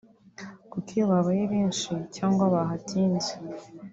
kuko iyo babaye benshi cyangwa bahatinze